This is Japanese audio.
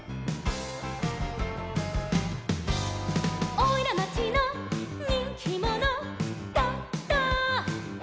「おいらまちのにんきもの」「ドド」